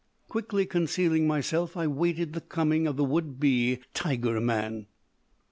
Quickly concealing myself, I waited the coming of the would be tiger man.